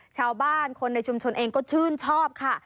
ชาวบ้านคนในชุมชนเองก็ชื่นชอบค่ะ